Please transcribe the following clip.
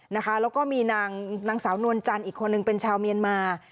แล้วก็มีนางสาวนวลจันทร์อีกคนนึงเป็นชาวเมียนมา